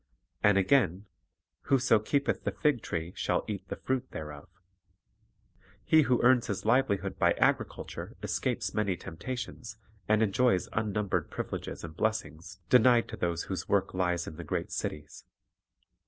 And again, "Whoso keepeth the fig tree shall eat the fruit thereof." 2 He who earns his livelihood by agriculture escapes many temptations and enjoys unnumbered privileges and blessings denied to those whose work lies in the great cities.